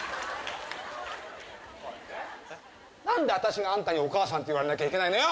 何で私があんたにお母さんって言われなきゃいけないのよ？